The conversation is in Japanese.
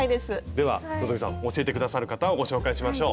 では希さん教えて下さる方をご紹介しましょう。